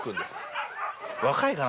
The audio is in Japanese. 若いかな？